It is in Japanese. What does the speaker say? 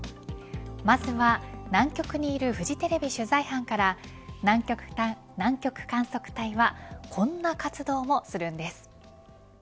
まずは、南極にいるフジテレビ取材班から南極観測隊はこんな活動もするんです。